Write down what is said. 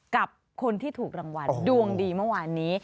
กับคนที่ถูกรางวัลดวงดีเมื่อวานนี้